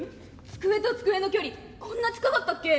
机と机の距離こんな近かったっけ？